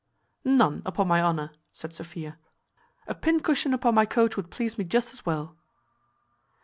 "None, upon my honour," said Sophia. "A pincushion upon my coach would please me just as well."